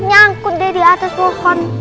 nyangkut dia di atas pohon